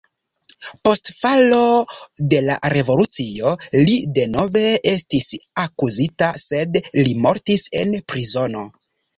Post falo de la revolucio li denove estis akuzita, sed li mortis en prizono.